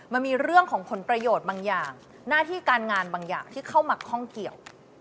มันมีเรื่องของผลประโยชน์บางอย่างหน้าที่การงานบางอย่างที่เข้ามาข้องเกี่ยว